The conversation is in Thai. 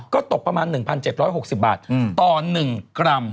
ก็ตกประมาณ๑๗๖๐บาทต่อ๑กรัม